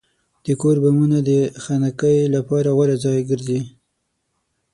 د کورونو بامونه د خنکۍ لپاره غوره ځای ګرځي.